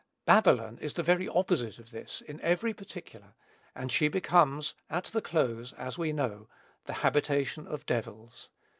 Babylon is the very opposite of this, in every particular; and she becomes at the close, as we know, "the habitation of devils."